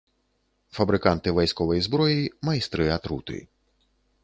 Фабрыканты вайсковай зброі, майстры атруты.